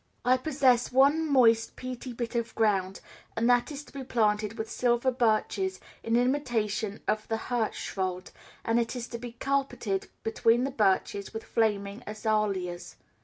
I possess one moist, peaty bit of ground, and that is to be planted with silver birches in imitation of the Hirschwald, and is to be carpeted between the birches with flaming azaleas.